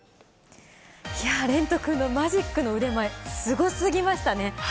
いやぁ、蓮人君のマジックの腕前、すごすぎましたね。